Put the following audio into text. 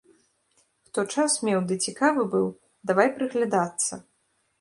Хто час меў ды цікавы быў, давай прыглядацца.